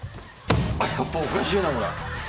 やっぱおかしいなこれ。